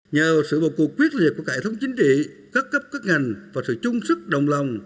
nhờ sự bầu cục quyết liệt của cải thống chính trị cấp cấp các ngành và sự chung sức đồng lòng